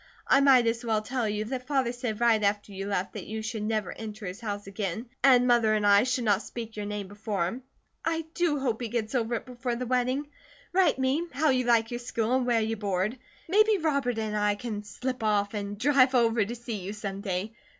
I might as well tell you that Father said right after you left that you should never enter his house again, and Mother and I should not speak your name before him. I do hope he gets over it before the wedding. Write me how you like your school, and where you board. Maybe Robert and I can slip off and drive over to see you some day.